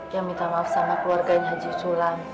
yang minta maaf sama keluarganya jisulang